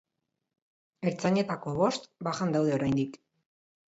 Ertzainetako bost bajan daude oraindik.